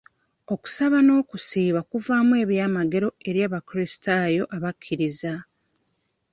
Okusaba n'okusiiba kuvaamu eby'amagero eri abakulisitaayo abakkiriza.